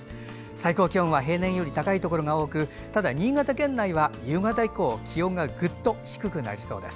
最高気温は平年より高いところが多くただ、新潟県内は夕方以降気温がぐっと低くなりそうです。